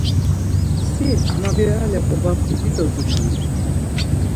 Si mabirale ovapu dido ginoni?